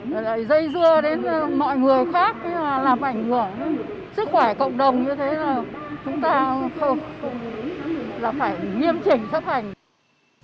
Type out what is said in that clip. rồi lại dây dưa đến mọi người khác làm ảnh hưởng đến sức khỏe cộng đồng như thế là chúng ta không phải nghiêm trình chấp hành